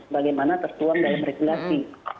bagaimana tertuang dari regulasi